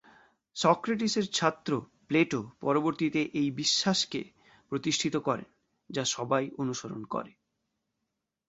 সক্রেটিসের ছাত্র প্লেটো পরবর্তীতে এই বিশ্বাসকে প্রতিষ্ঠিত করেন, যা সবাই অনুসরণ করে।